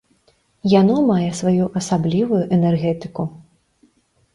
Яно мае сваю асаблівую энергетыку.